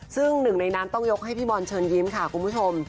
ซึ่งหนึ่งในนั้นต้องยกให้พี่บอลเชิญยิ้มค่ะคุณผู้ชม